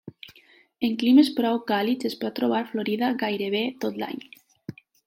En climes prou càlids es pot trobar florida gairebé tot l'any.